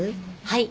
はい。